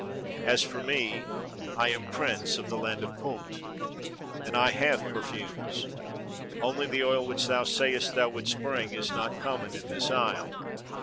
As for me, I am prince of the land of Punt, and I have perfumes. Only the oil which thou sayest thou wouldst bring is not common in this isle.